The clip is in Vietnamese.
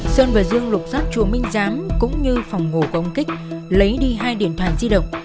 sơn và dương lục sắt chúa minh dám cũng như phòng ngủ của ông kích lấy đi hai điện thoại di động